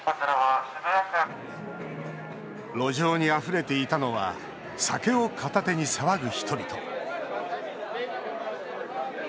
路上にあふれていたのは酒を片手に騒ぐ人々。